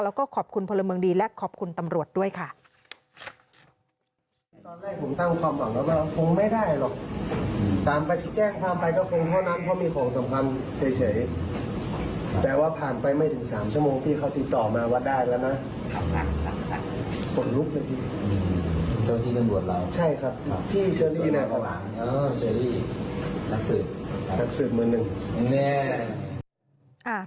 แล้วก็ขอบคุณพลเมืองดีและขอบคุณตำรวจด้วยค่ะ